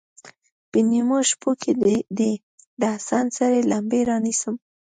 په نیمو شپو کې دې، د حسن سرې لمبې رانیسم